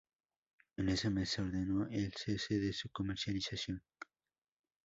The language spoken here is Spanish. En ese mes se ordenó el cese de su comercialización.